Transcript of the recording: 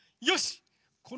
よし！